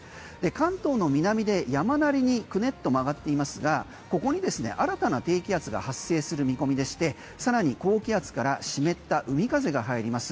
関東の南で山なりにくねっと曲がっていますがここにですね、新たな低気圧が発生する見込みでしてさらに高気圧から湿った海風が入ります。